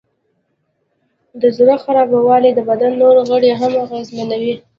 د زړه خرابوالی د بدن نور غړي هم اغېزمنوي.